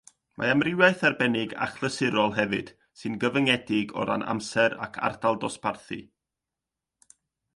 Mae amrywiaethau arbennig achlysurol hefyd sy'n gyfyngedig o ran amser ac ardal dosbarthu.